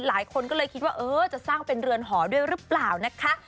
หลายคนก็เลยคิดว่าเออจะสร้างเป็นเรือนหอด้วยหรือเปล่านะคะ